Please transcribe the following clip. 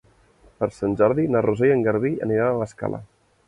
Per Sant Jordi na Rosó i en Garbí aniran a l'Escala.